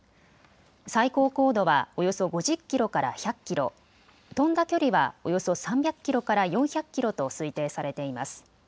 最高高度はおよそ５０キロから１００キロ、飛んだ距離はおよそ３００キロから４００キロと推定されています。